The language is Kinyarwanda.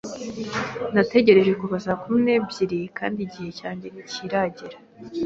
Nategereje kuva saa kumi n'ebyiri kandi igihe cyanjye ntikiragera.